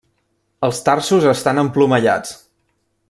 Els tarsos estan emplomallats.